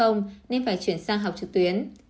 nên phải chuyển sang học trực tuyến